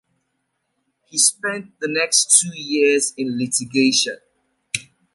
He spent the next two years in litigation.